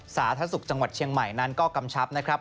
สาธัสสุกจังหวัดเชียงใหม่นั้นก็กำชับ